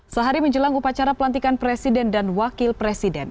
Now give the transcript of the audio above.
sehari menjelang upacara pelantikan presiden dan wakil presiden